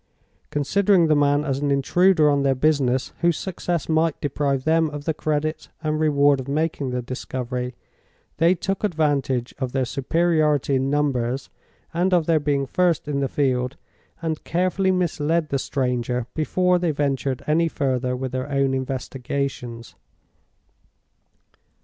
Considering the man as an intruder on their business, whose success might deprive them of the credit and reward of making the discovery, they took advantage of their superiority in numbers, and of their being first in the field, and carefully misled the stranger before they ventured any further with their own investigations.